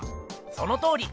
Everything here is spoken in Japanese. そのとおり！